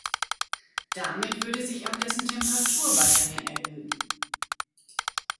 Damit würde sich auch dessen Temperatur weiterhin erhöhen.